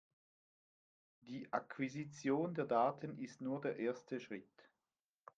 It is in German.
Die Akquisition der Daten ist nur der erste Schritt.